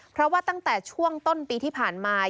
เพราะว่าตั้งแต่ช่วงต้นปีที่ผ่านมา